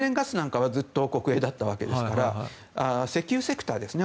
国営化されたというのは天然ガスなんかはずっと国営だったわけですから石油セクターですね。